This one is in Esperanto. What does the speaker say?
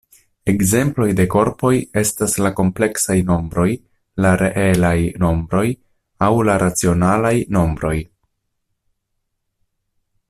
Ekzemploj de korpoj estas la kompleksaj nombroj, la reelaj nombroj aŭ la racionalaj nombroj.